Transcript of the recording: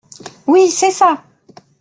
Oui !… c’est ça !…